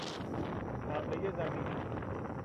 حملهی زمینی